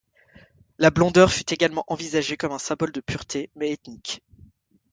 La blondeur fut également envisagée comme un symbole de pureté, mais ethnique.